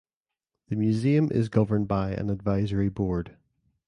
The museum is governed by an advisory board.